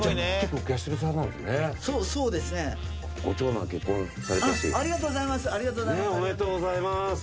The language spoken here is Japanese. おめでとうございます。